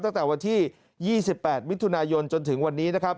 ตั้งแต่วันที่๒๘มิถุนายนจนถึงวันนี้นะครับ